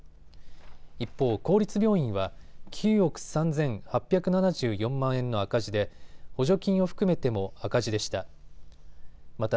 一方、公立病院は９億３８７４万円の赤字で補助金を含めても赤字でした。